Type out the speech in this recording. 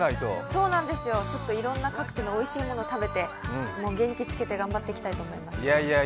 そうなんですよ、いろんな各地のおいしいものを食べて元気づけて頑張っていきたいと思います。